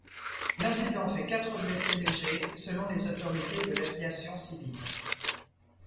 L'incident fait quatre blessés légers, selon les autorités de l’aviation civile.